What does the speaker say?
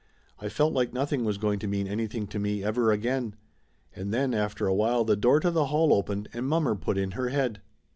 I felt like nothing was going to mean anything to me ever again. And then after a while the door to the hall opened and mommer put in her head.